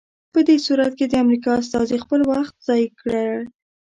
په دې صورت کې د امریکا استازي خپل وخت ضایع کړی.